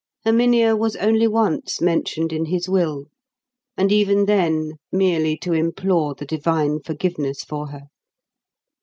Herminia was only once mentioned in his will; and even then merely to implore the divine forgiveness for her.